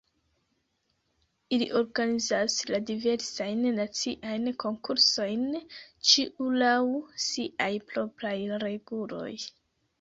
Ili organizas la diversajn naciajn konkursojn, ĉiu laŭ siaj propraj reguloj.